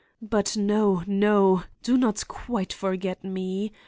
But no, no! do not quite forget me.